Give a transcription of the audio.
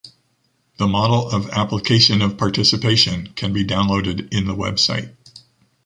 The model of application of participation can be downloaded in the website.